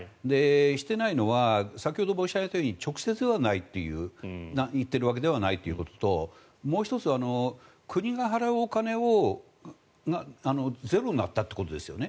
していないのは先ほど申し上げたように直接言っているわけではないということともう１つは国が払うお金がゼロになったということですよね。